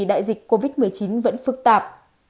đại dịch covid một mươi chín vẫn phức tạp